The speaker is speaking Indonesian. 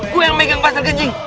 gue yang megang pasar keji